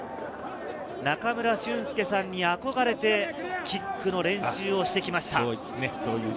中村俊輔さんに憧れて、キックの練習をしてきました。